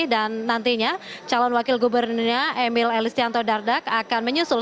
dan nantinya calon wakil gubernurnya emil elisianto dardak akan menyusul